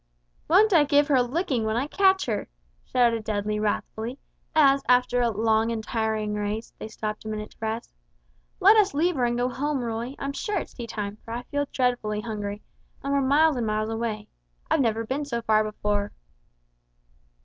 "Won't I give her a licking when I catch her," shouted Dudley, wrathfully, as after a long and tiring race, they stopped a minute to rest; "let us leave her and go home, Roy. I'm sure it's tea time, for I feel dreadfully hungry, and we're miles and miles away. I've never been so far before."